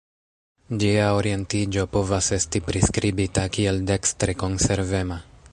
Ĝia orientiĝo povas esti priskribita kiel dekstre konservema.